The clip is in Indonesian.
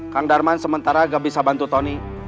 kang darman sementara gak bisa bantu tony